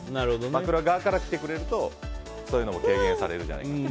枕側から来てくれるとそれが軽減されるじゃないかと。